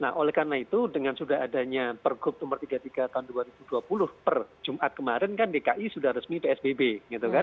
nah oleh karena itu dengan sudah adanya pergub nomor tiga puluh tiga tahun dua ribu dua puluh per jumat kemarin kan dki sudah resmi psbb gitu kan